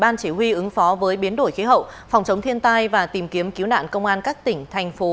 ban chỉ huy ứng phó với biến đổi khí hậu phòng chống thiên tai và tìm kiếm cứu nạn công an các tỉnh thành phố